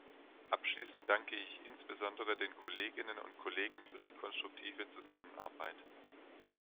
Abschließend danke ich insbesondere den Kolleginnen und Kollegen für die konstruktive Zusammenarbeit.